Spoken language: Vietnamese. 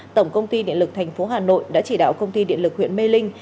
tổng công ty điện lực thành phố hà nội đã chỉ đạo công ty điện lực huyện mê linh